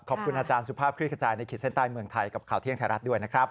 ขอบคุณอาจารย์สุภาพคลิกขจายในขีดเส้นใต้เมืองไทยกับข่าวเที่ยงไทยรัฐด้วยนะครับ